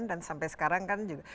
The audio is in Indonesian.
dan sampai sekarang kan